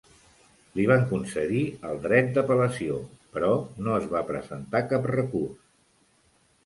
Li van concedir el dret d'apel·lació, però no es va presentar cap recurs.